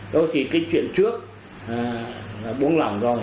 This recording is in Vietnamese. thôi thì cái chuyện trước là buông lỏng rồi